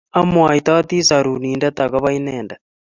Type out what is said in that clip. Amwaitoti Sorunindet ako ba inendet